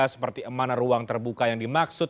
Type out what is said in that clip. seperti mana ruang terbuka yang dimaksud